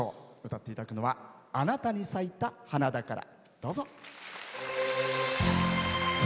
歌っていただくのは「あなたに咲いた花だから」。